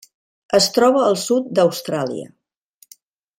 Es troba al sud d'Austràlia.